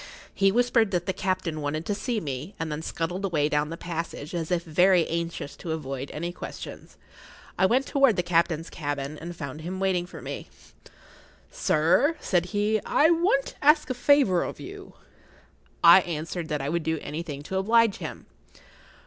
He whispered that the captain wanted to see me, and then scuttled away down the passage as if very anxious to avoid any questions. I went toward the captain's cabin, and found him waiting for me. "Sir," said he, "I want to ask a favour of you." I answered that I would do anything to oblige him.